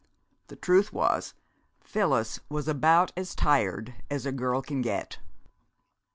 The truth was, Phyllis was about as tired as a girl can get.